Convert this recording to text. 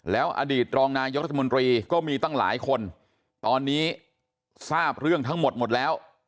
แล้วอดีตรองนายกรัฐมนตรีก็มีตั้งหลายคนตอนนี้ทราบเรื่องทั้งหมดหมดแล้ว